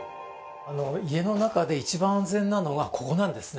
家の中で一番安全なのがここなんですね。